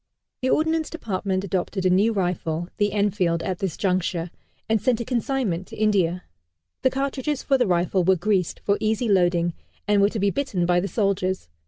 The Ordnance Department adopted a new rifle, the Enfield, at this juncture, and sent a consignment to India. The cartridges for the rifle were greased, for easy loading, and were to be bitten by the soldiers.